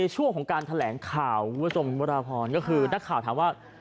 เราก็มั่นใจว่าถ้าเราลบลดเงื่อนไขอย่างนี้